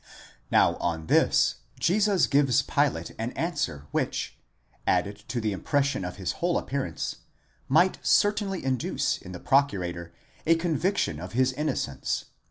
Now on this Jesus gives Pilate an answer which, added to the impression of his whole appearance, might certainly induce in the Procurator a conviction of his in nocence.